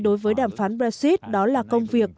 đối với đàm phán brexit đó là công việc